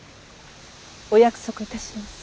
お約束いたします。